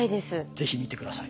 是非見て下さい。